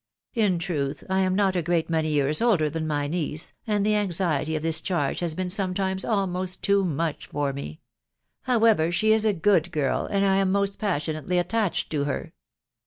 In truth, I am not a great many years older than my niece, and the anxiety of this charge has been sometimes almost too much for me. ••. How ever, she is a good girl, and I am most passionately attached to her.